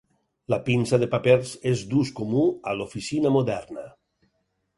La pinça de papers és d'ús comú a l'oficina moderna.